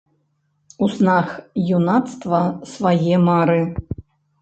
У снах юнацтва свае мары!